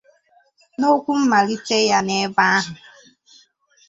N'okwu mmàlite ya n'ebe ahụ